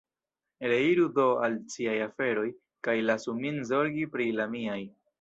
Reiru do al ciaj aferoj, kaj lasu min zorgi pri la miaj.